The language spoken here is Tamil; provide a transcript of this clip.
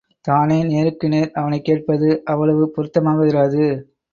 தானே நேருக்கு நேர் அவனைக் கேட்பது அவ்வளவு பொருத்தமாக இராது.